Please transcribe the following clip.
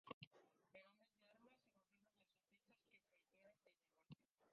En "Hombres de armas" se confirman las sospechas que se tienen desde "¡Guardias!¿Guardias?